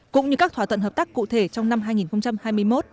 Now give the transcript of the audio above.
cũng như các thỏa thuận hợp tác cụ thể trong năm hai nghìn hai mươi một